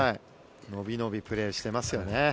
伸び伸びプレーしてますよね。